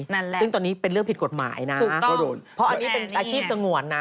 นั่นแหละซึ่งตอนนี้เป็นเรื่องผิดกฎหมายนะก็โดนเพราะอันนี้เป็นอาชีพสงวนนะ